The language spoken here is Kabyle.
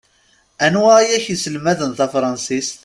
Anwa i ak-iselmaden tafṛansist?